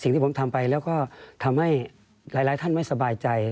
สิ่งที่ผมทำไปแล้วก็ทำให้หลายท่านไม่สบายใจ